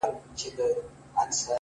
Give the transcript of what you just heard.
• جهاني غزل دي نوی شرنګ اخیستی,